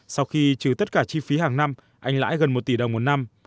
sau khi trừ tất cả chi phí hàng năm anh lãi gần một tỷ đồng một năm